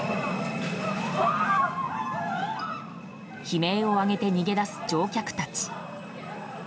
悲鳴を上げて逃げ出す乗客たち。